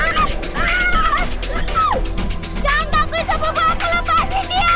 jangan takut sepupu aku lepasin dia